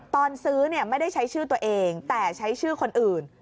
ตอนซื้อไม่ได้ใช้ชื่อตัวเองแต่ใช้ชื่อคนอื่น